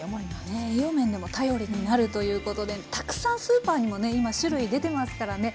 ねえ栄養面でも頼りになるということでたくさんスーパーにもね今種類出てますからね